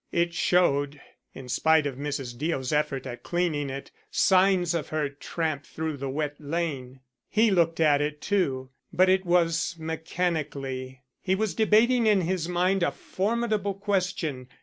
It showed, in spite of Mrs. Deo's effort at cleaning it, signs of her tramp through the wet lane. He looked at it too, but it was mechanically. He was debating in his mind a formidable question.